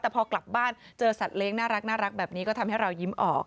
แต่พอกลับบ้านเจอสัตว์เล้งน่ารักแบบนี้ก็ทำให้เรายิ้มออก